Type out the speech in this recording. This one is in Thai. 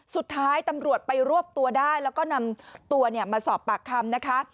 สุดท้ายตำรวจไปรวบตัวได้แล้วก็นำตัวมาสอบปากคำนะคะ